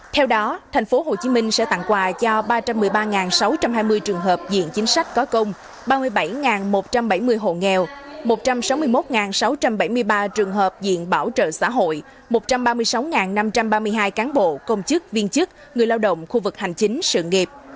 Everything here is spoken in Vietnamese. theo đó tp hcm sẽ tặng quà cho ba trăm một mươi ba sáu trăm hai mươi trường hợp diện chính sách có công ba mươi bảy một trăm bảy mươi hộ nghèo một trăm sáu mươi một sáu trăm bảy mươi ba trường hợp diện bảo trợ xã hội một trăm ba mươi sáu năm trăm ba mươi hai cán bộ công chức viên chức người lao động khu vực hành chính sự nghiệp